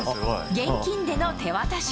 現金での手渡し。